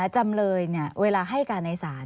จำเลยเวลาให้การในศาล